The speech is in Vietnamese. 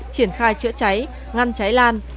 triển khai chữa cháy ngăn cháy lan